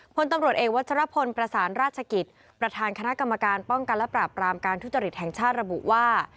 พลตำรวจเอกวัชรพลประสานราชกิจประธานคณะกรรมการป้องกันและปราบรามการทุจริตแห่งชาติระบุว่า